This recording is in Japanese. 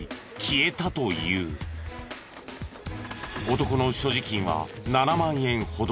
男の所持金は７万円ほど。